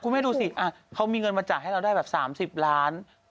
แม่ดูสิเขามีเงินมาจ่ายให้เราได้แบบ๓๐ล้าน